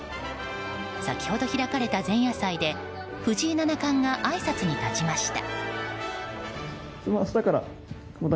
先ほど開かれた前夜祭で藤井七冠があいさつに立ちました。